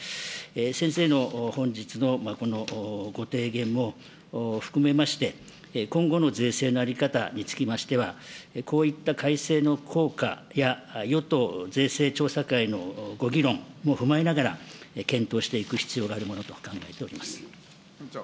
先生の本日のこのご提言も含めまして、今後の税制の在り方につきましては、こういった改正の効果や与党税制調査会のご議論も踏まえながら、検討していく必要があるものと考えております。